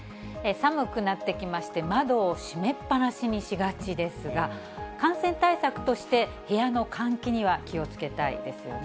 寒くなってきまして、窓を閉めっぱなしにしがちですが、感染対策として部屋の換気には気をつけたいですよね。